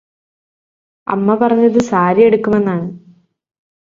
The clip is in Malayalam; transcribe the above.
അമ്മ പറഞ്ഞത് സാരി എടുക്കുമെന്നാണ്